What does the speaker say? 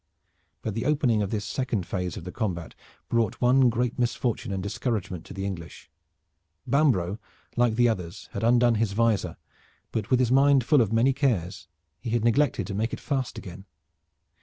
But the opening of this second phase of the combat brought one great misfortune and discouragement to the English. Bambro' like the others, had undone his visor, but with his mind full of many cares he had neglected to make it fast again.